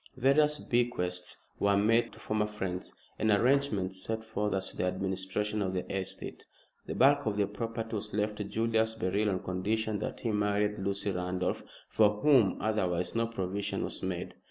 Various bequests were made to former friends, and arrangements set forth as to the administration of the estate. The bulk of the property was left to Julius Beryl on condition that he married Lucy Randolph, for whom otherwise no provision was made.